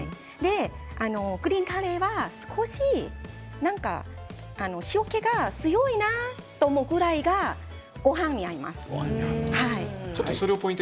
グリーンカレーは少し塩けが強いなと思うぐらいがごはんに合います。